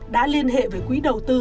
đã liên hệ với quỹ đầu tư